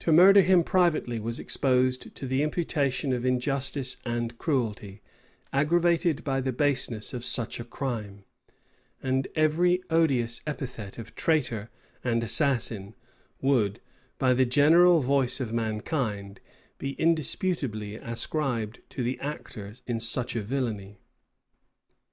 To murder him privately was exposed to the imputation of injustice and cruelty, aggravated by the baseness of such a crime; and every odious epithet of "traitor" and "assassin" would, by the general voice of mankind, be indisputably ascribed to the actors in such a villany.